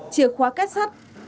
chìa khóa kết sắt